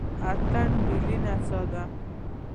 اتن ملي نڅا ده